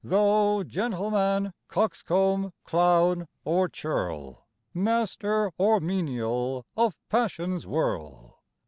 Though gentleman, coxcomb, clown or churl, Master or menial of passion's whirl.